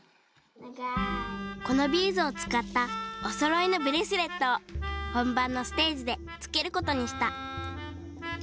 このビーズを使ったおそろいのブレスレットを本番のステージでつけることにした。